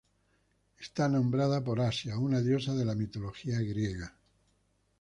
Está nombrado por Asia, una diosa de la mitología griega.